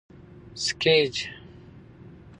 سکیچ